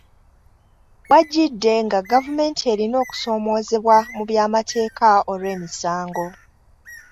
W'ajjidde nga gavumenti erina okusoomoozebwa mu by’amateeka olw’emisango.